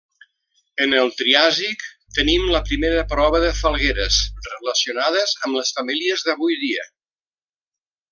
En el triàsic, tenim la primera prova de falgueres relacionades amb les famílies d'avui dia.